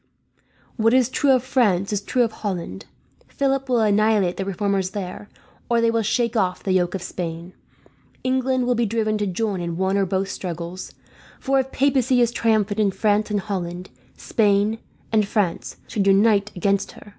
"What is true of France is true of Holland. Philip will annihilate the reformers there, or they will shake off the yoke of Spain. England will be driven to join in one or both struggles; for if papacy is triumphant in France and Holland, Spain and France would unite against her.